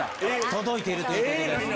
届いているということです。